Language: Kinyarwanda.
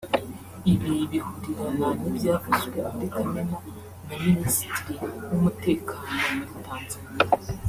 Ibi bihurirana n’ibyavuzwe muri Kamena na Minisitiri w’umutekano muri Tanzaniya